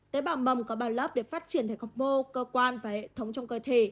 tế bào mầm có bao lớp để phát triển thành góc mô cơ quan và hệ thống trong cơ thể